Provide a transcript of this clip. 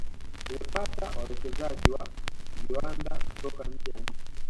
Imepata wawekezaji wa viwanada kutoka nje ya nchi